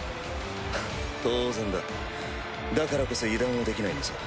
フッ当然だだからこそ油断はできないのさ。